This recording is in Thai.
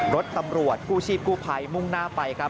รถตำรวจกู้ชีพกู้ภัยมุ่งหน้าไปครับ